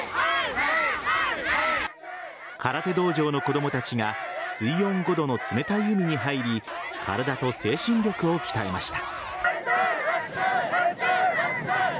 空手道場の子供たちが水温５度の冷たい海に入り体と精神力を鍛えました。